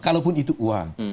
kalaupun itu uang